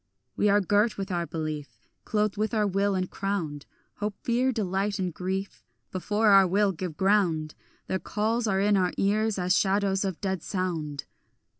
We are girt with our belief, Clothed with our will and crowned; Hope, fear, delight, and grief, Before our will give ground; Their calls are in our ears as shadows of dead sound.